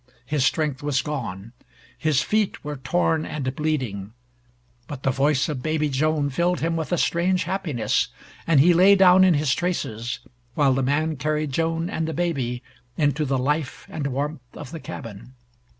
His strength was gone. His feet were torn and bleeding. But the voice of baby Joan filled him with a strange happiness, and he lay down in his traces, while the man carried Joan and the baby into the life and warmth of the cabin.